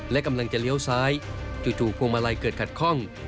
และกำลังจะเลี้ยวซ้ายจู่พวงมาลัยเกิดขัดข้อง